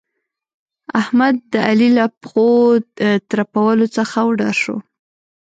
احمد؛ د علي له پښو ترپولو څخه وډار شو.